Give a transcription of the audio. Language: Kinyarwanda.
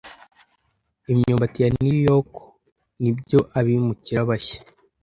imyumbati ya New York nibyo abimukira bashya